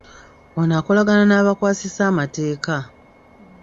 Ono akolagana n'abakwasisa amateeeka.